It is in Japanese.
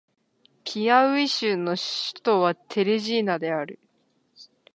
ピアウイ州の州都はテレジーナである